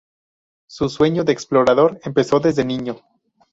Su sueño de explorar empezó desde niño.